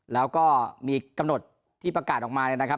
แล้วก็มีกำหนดที่ประกาศออกมาเนี่ยนะครับ